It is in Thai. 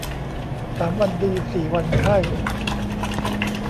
สามวันดีสี่วันไข้